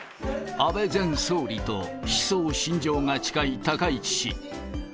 安倍前総理と思想信条が近い高市氏。